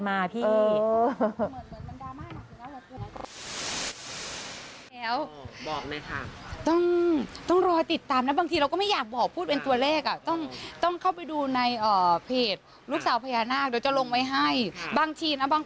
บางทีนะบางคนเห็นเป็นเขาเรียกว่าอะไรป่ะ